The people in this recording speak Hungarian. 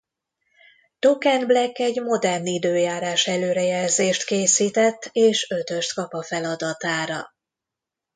Token Black egy modern időjárás-előrejelzést készített és ötöst kap a feladatára.